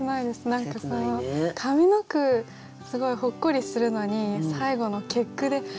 何か上の句すごいほっこりするのに最後の結句でえっ！